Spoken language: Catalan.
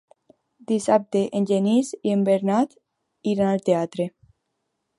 Dissabte en Genís i en Bernat iran al teatre.